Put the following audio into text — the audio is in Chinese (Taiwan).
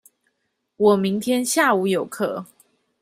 我明天下午有課